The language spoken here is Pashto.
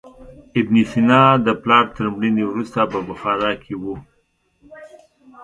ابن سینا د پلار تر مړینې وروسته په بخارا کې و.